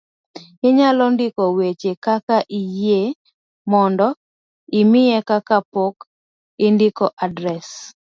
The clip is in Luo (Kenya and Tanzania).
inyalo ndiko weche kaka yie mondo umiye ka pok indiko adres